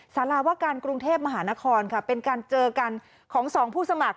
สาราวการกรุงเทพมหานครค่ะเป็นการเจอกันของสองผู้สมัคร